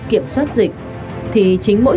kiểm soát dịch thì chính mỗi